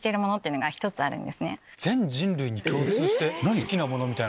全人類に共通して好きなもの？